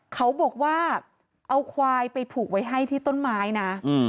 เขาบอกว่าเอาควายไปผูกไว้ให้ที่ต้นไม้นะ